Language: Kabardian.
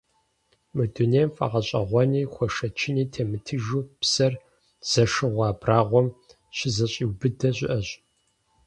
Мы дунейм фӀэгъэщӀэгъуэни хуэшэчыни темытыжу, псэр зэшыгъуэ абрагъуэм щызэщӀиубыдэ щыӀэщ.